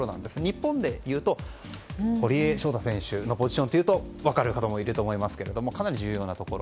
日本だと堀江翔太選手のポジションというと分かるかと思いますがかなり重要なところ。